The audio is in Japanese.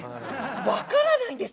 分からないんです